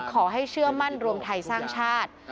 ขอให้เชื่อมั่นรวมไทยสร้างชาติ